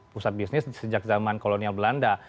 pusat bisnis sejak zaman kolonial belanda